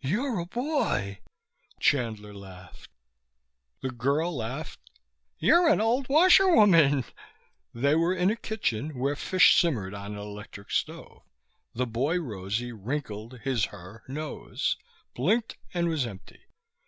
"You're a boy!" Chandler laughed. The girl laughed: "You're an old washerwoman!" They were in a kitchen where fish simmered on an electric stove. The boy Rosie wrinkled his her nose, blinked and was empty.